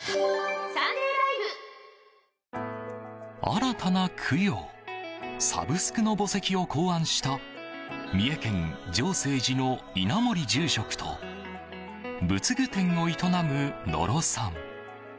新たな供養サブスクの墓石を考案した三重県浄誓寺の稲森住職と仏具店を営む野呂さん。